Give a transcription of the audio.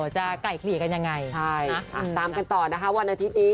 ไกลเกลี่ยกันยังไงใช่ตามกันต่อนะคะวันอาทิตย์นี้